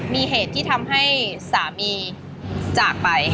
มีเหตุที่ทำให้สามีจากไป